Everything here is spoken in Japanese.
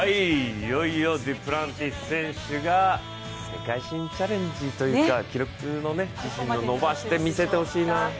いよいよデュプランティス選手が世界新チャレンジというか、自身の記録を伸ばして見せてほしいな。